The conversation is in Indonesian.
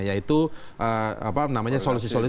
yaitu apa namanya solusi solusi